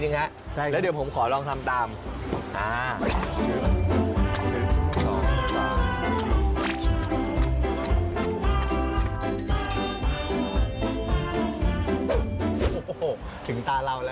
สับตับเลยครับสับเลย